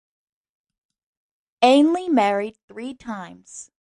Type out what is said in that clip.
Ainley married three times.